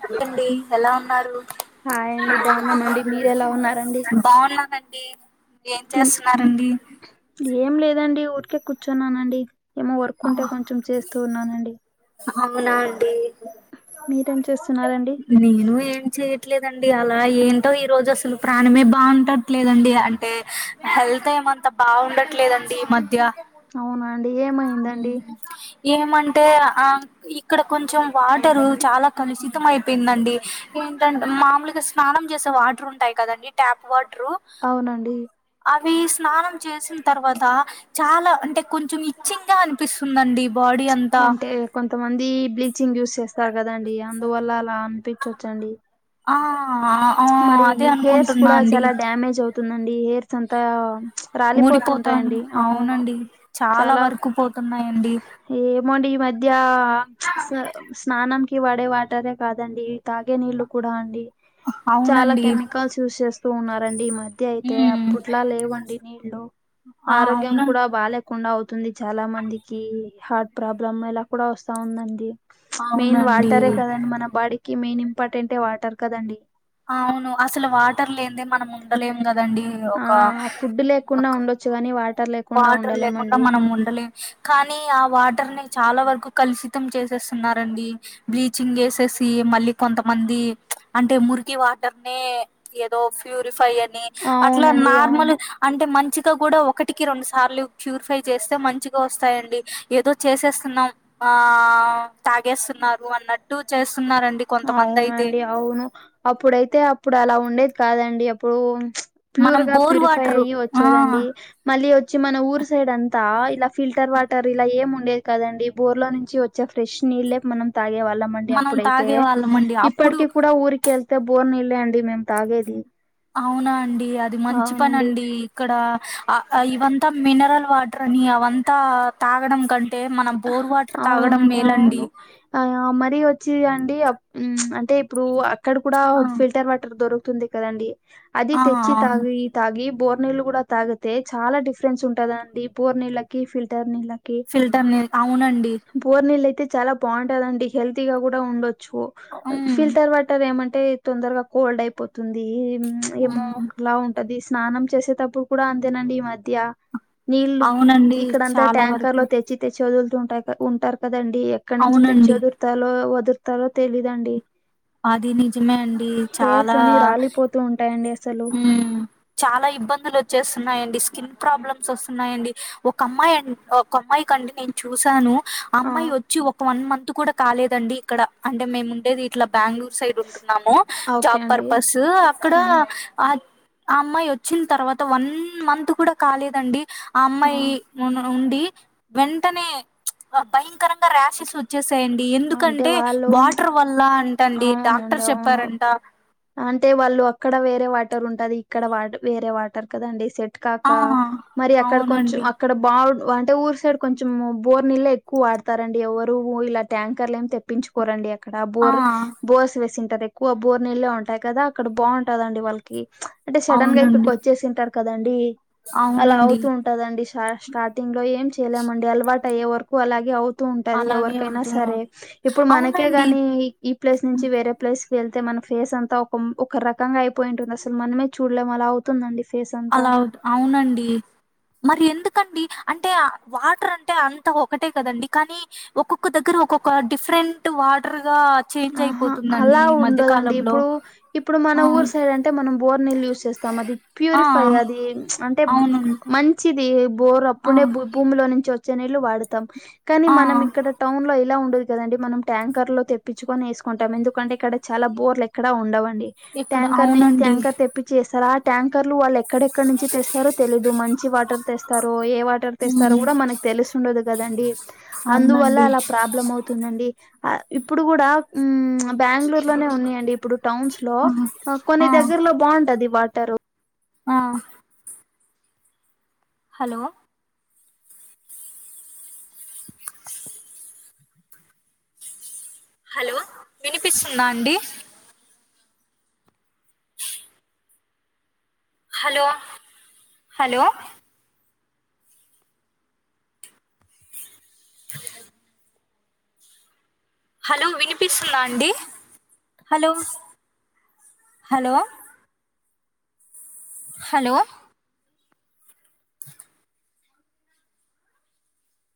Hello అండి ఎలా ఉన్నారు హాయ్ అండి బాగున్నామండి మీరు ఎలా ఉన్నారండి బాగున్నానండి ఏం తిన్ చేస్తున్నారండి ఏం లేదండి ఊరికే కూర్చున్నానండి ఏమో వర్క్ ఉంటే కొంచెం చేస్తూ ఉన్నానండి అవునా అండి మీరేం చేస్తున్నారండి నేను ఏం చేయట్లేదండి అలా ఏంటో ఈ రోజు అసలు ప్రాణమే బాగుంటట్లేదండి అంటే హెల్త్ ఏమంతా బాగుండట్లేదండి ఈ మధ్య అవునా అండి ఏమైంది ఏమంటే ఆ ఇక్కడ కొంచెం వాటరు చాలా కలుషితం అయిపోయిందండి ఏంటంటే మామూలుగా స్నానం చేసే వాటర్ ఉంటాయి కదండి ట్యాప్ వాటరు అవునండి అవి స్నానం చేసిన తర్వాత చాలా అంటే కొంచెం ఇచ్చింగా అని అనిపిస్తుందండి బాడీ అంతా అంటే కొంతమంది బ్లీచింగ్ యూస్ చేస్తారు కదండి అందువల్ల అలా అనిపించవచ్చండి ఆ ఆ మరి అదే హెయిర్స్ అనుకుంటున్నా కూడా అండి చాలా డ్యామేజ్ అవుతుందండి హెయిర్స్ అంతా ఊడిపోతాను రాలిపోతుంటాయండి అవును అవునండి చాలా వరకు పోతున్నాయండి ఏమోండి ఈ మధ్య స్నానం కి వడే వాటరే కాదండి తాగే నీళ్ళు కూడా అండి చాలా అవునండి కెమికల్స్ యూజ్ చేస్తూ ఉన్నారండి ఈ మధ్య అయితే ఉమ్ అప్పుట్లా లేవండి నీళ్లు ఆ ఆరోగ్యం అవున కూడా బాలే కుండా అవుతుంది చాలా మందికి హార్ట్ ప్రాబ్లం ఇలా కూడా వస్తా ఉందండి మెయిన్ వాటరే అవునండి కదండి మన బాడీకి మెయిన్ ఇంపార్టెంటే వాటర్ కదండి అవును అసలు వాటర్ లేనిదే మనం ఉండలేం కదండి ఆ ఫుడ్ లేకుండా ఉండొచ్చు గాని వాటర్ లేకుండా వాటర్ లేకుండా ఉండలేమండి మనం ఉండలేం కానీ ఆ వాటర్ ని చాలా వరకు కలుషితం చేసేస్తున్నారండి బ్లీచింగ్ వేసేసి మళ్ళీ కొంతమంది అంటే మురికి ఈ వాటర్ ని ఏదో ప్యూరిఫై అని అట్లా అవునండి నార్మల్ అవును అంటే మంచిగా కూడా ఒకటికి రెండు సార్లు ప్యూరిఫై చేస్తే మంచిగా వస్తాయండి ఏదో చేసేస్తున్నాం ఆ తాగేస్తున్నారు అన్నట్టు చేస్తున్నారండి కొంతమంది అయితే అవునండి అవును అప్పుడైతే అప్పుడు అలా ఉండేది కాదండి అప్పుడు మనం ప్యూర్ గా బోర్ ప్యూరిఫై వాటరు అయ్యి ఆ వచ్చేదండి మళ్ళీ వచ్చి మన ఊరు సైడ్ అంతా ఇలా ఫిల్టర్ వాటర్ ఇలా ఏం ఉండేది కదండి బోర్ లో నుంచి వ చ్చే ఫ్రెష్ నీళ్లే మనం తాగేవాళ్ళం అండి మనం అప్పుడైతే తాగే వాళ్ళమండి అప్పుడు ఇప్పటికి కూడా ఊరికెళ్తే బోర్ నీళ్లే అండి మేము తాగేది అవునా అండి అది మంచి పని అవునండి అండి ఇక్కడ ఇవంతా మినరల్ వాటరని అవంతా తాగడం కంటే టే మన బోర్ వాటర్ తాగడం అవునండి మేలండి అవును ఆ మరీ వచ్చి అండి అంటే ఇప్పుడు అక్కడ కూడా ఆ ఫిల్టర్ వాటర్ దొరుకుతుంది కదా అండి అది ఆ తెచ్చి అవును తాగి తాగి బోర్ నీళ్ళలు కూడా తాగితే చాలా డిఫరెన్స్ ఉంటదండి బోర్ నీళ్ళకి ఫిల్టర్ నీళ్ళకి ఫిల్టర్ నీళ్ళు అవునండి బోర్ నీళ్ళ అయితే చాలా బాగుంటదండి హెల్తీ గా కూడా ఉండొచ్చు ఉమ్ ఫీల్టార్ వాటర్ టర్ ఏమంటే తొందరగా కోల్డ్ అయిపోతుంది ఏమో ఉమ్ ఒక లా ఉం టాది స్నానం చేసేటప్పుడు కూడా అంతేనండి ఈ మధ్య నీళ్ళ అవునండి ఇక్కడంతా చాలా ట్యాంకర్ వరకు లో తెచ్చి తెచ్చివదులుతుంటా ఉంటారు కదండి ఎక్కడ నుంచి తెచ్చి అవునండి వదురుతాలో వదురుతారో తెలీదండి అది నిజమే అండి హెయిర్స్ చాలా అని రాలిపోతూ ఉంటాయండి అసలు. చాలా ఇబ్బందులు వచ్చేస్తున్నాయండి స్కిన్ ప్రాబ్లమ్స్ వస్తున్నాయండి. ఒక అమ్మాయి అన్ ఒక అమ్మాయి కండి నేను చూసాను. ఆ అమ్మాయి వచ్చి ఒక వన్ మంత్ కూడా కాలేదండి ఇక్కడ అంటే మేము ఉండేది. ఇట్లా బెంగళూరు సైడ్ ఉంటున్నాము ఓకే జాబ్ అండి పర్పస్ అక్కడ. ఆ ఆ అమ్మాయి వచ్చిన తర్వాత వన్ మంత్ కూడా కాలేదండి. ఆ అమ్మాయి ఉండి వెంటనే భయంకరంగా రాషెస్స్ వ. వచ్చేసేయండి అంటే ఎందుకంటే వాళ్ళు వాటర్ వల్ల అంట అండి డాక్టర్ అవునండి అవును చెప్పారంట. అంటే వాళ్ళు అక్కడ వేరే వాటర్ ఉంటది ఇక్కడ వా వేరే వాటర్ కదండి సెట్. కాక ఆ మరి అక్కడ కొంచెం అవునండి అక్. ఇక్కడ బాగ్ అంటే ఊరు సైడ్ కొంచెం బోర్ నీళ్ళ ఎక్కువ వాడతారండి ఎవరు ఇలా ట్యాంకర్లు ఏమ్ తెప్. ప్పించుకోరండి అక్కడ ఆ బోర్ బోర్స్ వేసింటరు ఎక్కువ బోర్ నీళ్ళే ఉన్. టాయి కదా అక్కడ బాగుంటదండి వాళ్ళకి అంటే సడన్ గా ఇక్కడికి అవునండి వచ్చేసింటారు కదండి. అలా అవునండి అవుతూ ఉంటదండి షా స్టార్టింగ్ లో ఏంచే. ఎల్లామండి అలవాటు అయ్యే వరకు అలాగే అవుతూ ఉంటది అలాగే ఎవరికైనా అవుతూ సరే. ఇప్పుడు అవునండి మనకేగాని ఈ ప్లేస్ నుంచి వేరే ప్లేస్ క వెళ్తే మన ఫేస్ అన్. ఒక రకంగా అయిపోయింటుంది అసలు మనమే చూడలేం అలా అవుతుందండి ఫేస్ అంతా. అలా అవుతూ- అవునండి. మరి ఎందుకండి అంటే వాటర్ అంటే అంత ఒకటే కదండి కానీ. ఒక్కొక్క దగ్గర ఒక్కొక్క డిఫరెంట్ వాటర్ గా. చేంజ్ ఆహా అయిపోతుందండి అలా ఈ మధ్య ఉండదండి కాలంలో ఇప్పుడు ఇప్పుడు మన ఆ ఊరు సైడ్ అన్. మనం బోర్ నీళ్లు యూస్ చేస్తాం అది ఆ ప్యూరిఫై అది అంటే అవునండి మన్. చిది బోర్ ఆ అప్పుడే భూమిలో నుంచి వచ్చే నీళ్లు వాడుతాం కానీ ఆ మనం ఇక్కడ. టౌన్ లో ఇలా ఉండదు కదండి మనం ట్యాంకర్ లో తెప్. ప్పించుకొని వేసుకుంటాం ఎందుకంటే ఇక్కడ చాలా బోర్లు ఎక్కడా ఉండవండి ఇక్కడ ట్యాంకర్ ని అవునండి ట్యాంకర్ తెప్. ప్పిచేస్తారా ట్యాంకర్లు వాళ్ళు ఎక్. ఎక్కడెక్కడ నుంచి తెస్తారో తెలీదు మంచి వాటర్ తెస్తారు ఏ వాటర్ తెస్తారో ఉమ్ కూడా మనక్. తెలుసుండదు కదండి అందువల్ల అవునండి అలా ప్రాబ్లం అవుతుందండి ఆ ఇప్ తె. ఇప్పుడు కూడా ఊ బెంగళూరు లోనే ఉన్నాయండి ఇప్పుడు. టౌన్స్ లో ఆ కొన్ని ఆ దగ్గర లో బాగుంటది వాటర్. ఆ. హలో. హలో వినిపిస్తుందా అండి. Hello hello. హా హలో వినిపిస్తున్నా అండి హలో హలో. హలో.